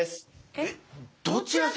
えっどちら様？